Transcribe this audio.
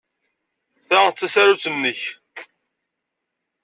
Ta d tasarut-nnek.